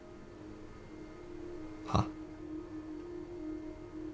はっ？